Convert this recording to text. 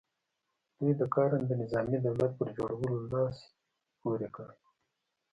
دوی د کارنده نظامي دولت پر جوړولو لاس پ ورې کړ.